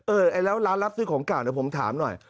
แล้วร้านรับซื้อของเก่าเดี๋ยวผมถามหน่อย